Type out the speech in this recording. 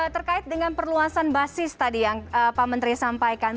terkait dengan perluasan basis tadi yang pak menteri sampaikan